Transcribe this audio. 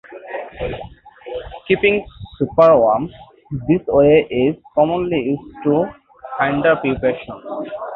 Keeping superworms this way is commonly used to hinder pupation.